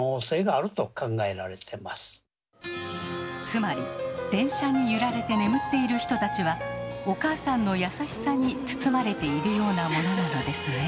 つまり電車に揺られて眠っている人たちはお母さんの優しさに包まれているようなものなのですね。